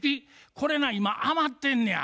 これな今余ってんねや。